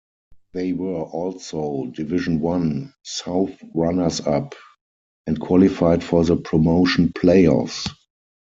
They were also Division One South runners-up and qualified for the promotion play-offs.